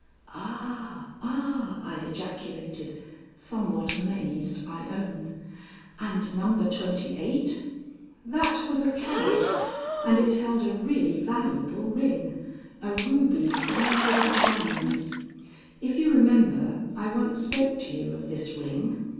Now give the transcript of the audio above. "Ah, ah!" I ejaculated, somewhat amazed, I own. "And number twenty eight?" "That was a carrot, and it held a really valuable ring a ruby surrounded by diamonds. If you remember, I once spoke to you of this ring.